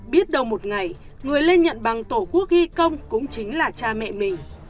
biết đầu một ngày người lên nhận bằng tổ quốc ghi công cũng chính là cha mẹ mình